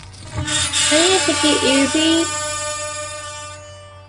Can you take it easy?